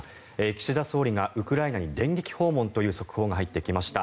岸田総理がウクライナに電撃訪問という速報が入ってきました。